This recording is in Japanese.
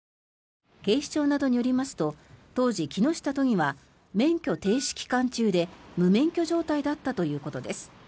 警視庁などによりますと当時、木下都議は免許停止期間中で無免許状態だったということです。